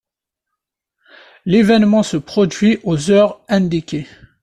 L'événement se produit aux heures indiquées.